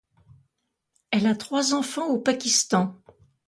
Elle a trois enfants au Pakistan.